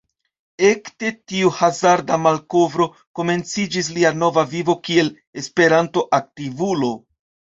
Ekde tiu hazarda malkovro komenciĝis lia nova vivo kiel Esperanto-aktivulo.